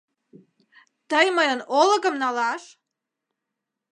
Тый мыйын олыкым налаш!..